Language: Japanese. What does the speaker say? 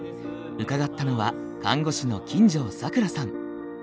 伺ったのは看護師の金城櫻さん。